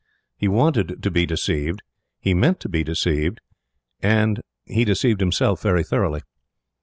He wanted to be deceived, he meant to be deceived, and he deceived himself very thoroughly.